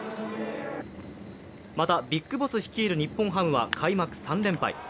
また、ＢＩＧＢＯＳＳ率いる日本ハムは開幕３連敗。